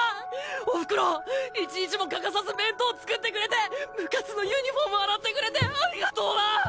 おふくろ一日も欠かさず弁当作ってくれて部活のユニフォーム洗ってくれてありがとうな！